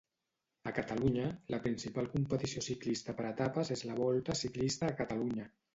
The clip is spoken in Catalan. A Catalunya, la principal competició ciclista per etapes és la Volta Ciclista a Catalunya.